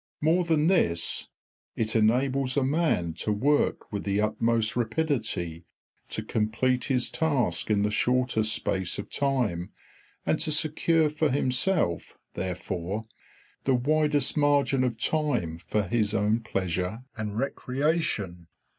More than this, it enables a man to work with the utmost rapidity, to complete his task in the shortest space of time, and to secure for himself, therefore, the widest margin of time for his own pleasure and recreation.